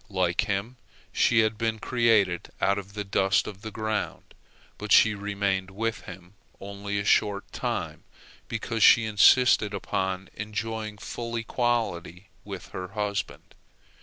Like him she had been created out of the dust of the ground. But she remained with him only a short time, because she insisted upon enjoying full equality with her husband.